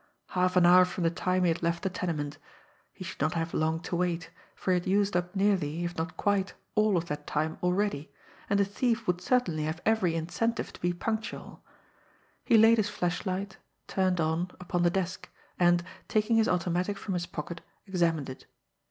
Half an hour from the time he had left the tenement! He should not have long to wait, for he had used up nearly, if not quite, all of that time already, and the thief would certainly have every incentive to be punctual. He laid his flashlight, turned on, upon the desk, and, taking his automatic from his pocket, examined it.